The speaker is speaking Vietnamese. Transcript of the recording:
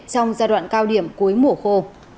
theo điểm cuối mùa khô